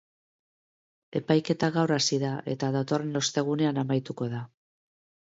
Epaiketa gaur hasi da eta datorren ostegunean amaituko da.